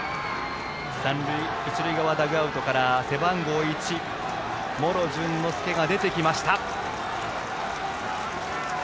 一塁側ダグアウトから、背番号１茂呂潤乃介が出てきました。